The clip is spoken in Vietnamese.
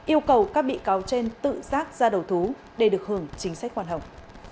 yêu cầu các bị cáo trên tự giác ra đầu thú để được hưởng chính sách khoan hồng